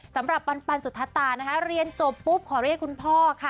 ปันสุธตานะคะเรียนจบปุ๊บขอเรียกคุณพ่อค่ะ